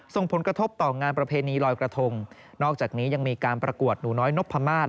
ส่งผลกระทบต่องานประเพณีลอยกระทงนอกจากนี้ยังมีการประกวดหนูน้อยนพมาศ